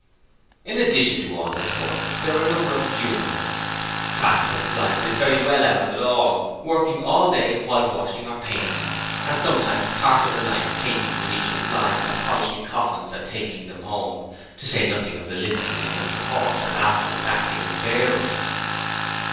In addition to all this work, there were a number of funerals. Crass and Slyme did very well out of it all, working all day white washing or painting, and sometimes part of the night painting venetian blinds or polishing coffins and taking them home, to say nothing of the lifting in of the corpses and afterwards acting as bearers.